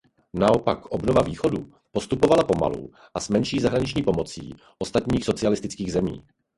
Naopak obnova Východu postupovala pomalu a s menší zahraniční pomocí ostatních socialistických zemí.